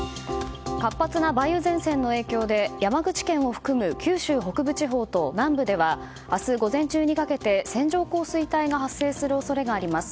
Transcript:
活発な梅雨前線の影響で山口県を含む九州北部地方と南部では明日午前中にかけて線状降水帯が発生する恐れがあります。